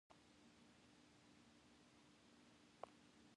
The Finnish troops withdrew to Luostari.